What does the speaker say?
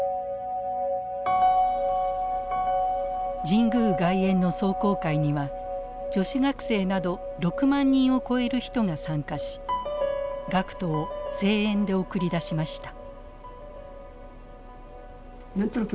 神宮外苑の壮行会には女子学生など６万人を超える人が参加し学徒を声援で送り出しました。